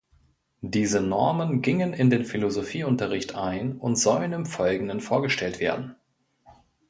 Diese Normen gingen in den Philosophieunterricht ein und sollen im Folgenden vorgestellt werden.